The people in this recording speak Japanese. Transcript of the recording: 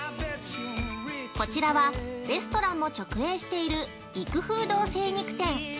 ◆こちらはレストランも直営している育風堂精肉店。